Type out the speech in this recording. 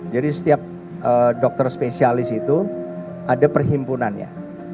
jadi setiap dokter spesialis itu ada perhimpunannya